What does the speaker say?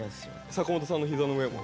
坂本さんの膝の上も？